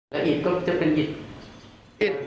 แล้วอิตก็จะเป็นอิต